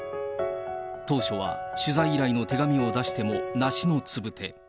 当初は取材依頼の手紙を出しても梨のつぶて。